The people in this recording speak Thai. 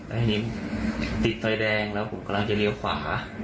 ที่นี้ติดถอยแดงแล้วผมกำลังจะเรียกขวา